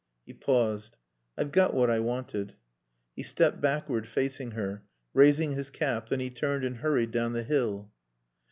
He paused. "I've got what I wanted." He stepped backward, facing her, raising his cap, then he turned and hurried down the hill.